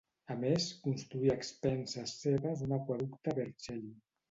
A més, construí a expenses seves un aqüeducte a Vercelli.